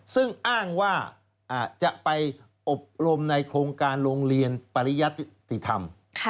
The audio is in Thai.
ซึ่งอ้างว่าจะไปอบรมในโครงการโรงเรียนปริยติธรรม